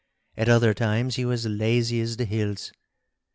At other times he was lazy as the hills.